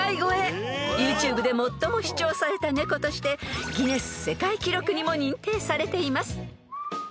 ［ＹｏｕＴｕｂｅで最も視聴された猫としてギネス世界記録にも認定されています］